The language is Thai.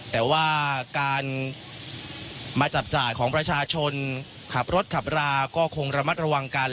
แต่ว่าการมาจับจ่ายของประชาชนขับรถขับราก็คงระมัดระวังกัน